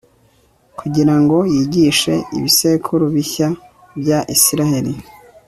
kugira ngo yigishe ibisekuru bishya bya israheli